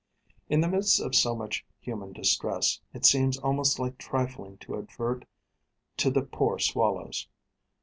In the midst of so much human distress, it seems almost like trifling to advert to the poor swallows.